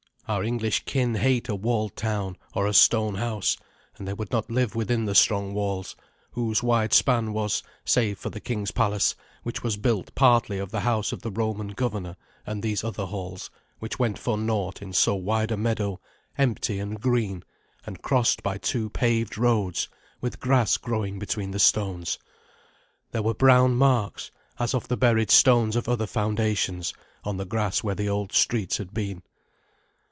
Our English kin hate a walled town or a stone house, and they would not live within the strong walls, whose wide span was, save for the king's palace, which was built partly of the house of the Roman governor, and these other halls, which went for naught in so wide a meadow, empty and green, and crossed by two paved roads, with grass growing between the stones. There were brown marks, as of the buried stones of other foundations, on the grass where the old streets had been.